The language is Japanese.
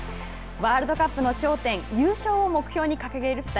ワールドカップの頂点、優勝を目標に掲げる２人。